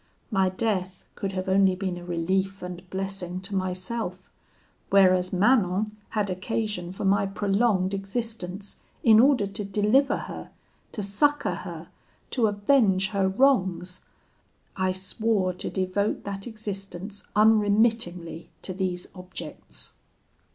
My death could have only been a relief and blessing to myself; whereas Manon had occasion for my prolonged existence, in order to deliver her to succour her to avenge her wrongs: I swore to devote that existence unremittingly to these objects.